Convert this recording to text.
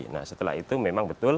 nah setelah itu memang betul